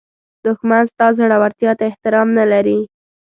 دښمن ستا زړورتیا ته احترام نه لري